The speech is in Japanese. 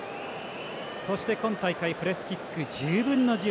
そして今大会プレスキック１０分の１０。